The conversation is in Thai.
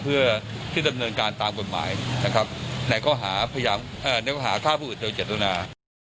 เพื่อที่ดำเนินการตามกฎหมายในก้อหาค่าผู้อื่นโดยเจตนา